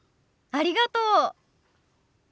ありがとう。